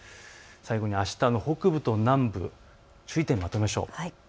最後にあしたの北部と南部についてまとめましょう。